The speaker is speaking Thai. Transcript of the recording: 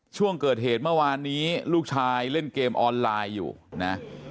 ช่วงเกิดเหตุเมื่อวานนี้ลูกชายเล่นเกมออนไลน์อยู่นะ